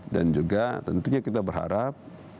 dan juga tentunya kita berharap